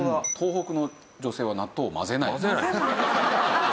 東北の女性は納豆を混ぜない。